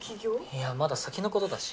いやまだ先のことだし。